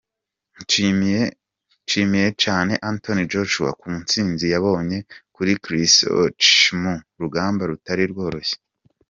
Nshimiye cyane Anthony Joshua ku ntsinzi yabonye kuri Klitschko mu rugamba rutari rworoshye.